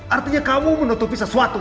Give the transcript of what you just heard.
artinya kamu menutupi sesuatu